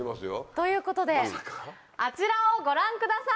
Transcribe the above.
ということであちらをご覧ください！